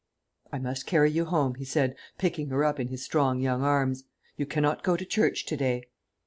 "I must carry you home," he said, picking her up in his strong young arms; "you cannot go to church to day."